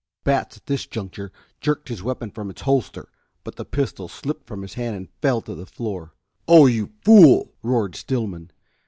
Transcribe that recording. Batts at this juncture jerked his weapon from its holster, but the pistol slipped from his hand and fell to the floor. "Oh, you fool!" roared Stillman.